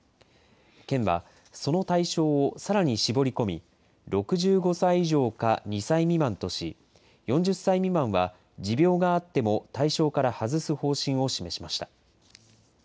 県は、その対象をさらに絞り込み、６５歳以上か２歳未満とし、４０歳未満は持病があっても対象から外す方針を示しました。